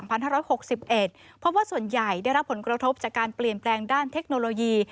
เพราะว่าส่วนใหญ่ได้รับผลกระทบจากการเปลี่ยนแปลงด้านเทคโนโลยี